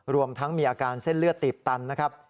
รวมทั้งมีอาการเส้นเลือดตีบตันนะครับ